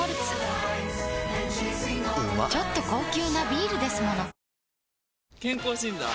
ちょっと高級なビールですもの健康診断？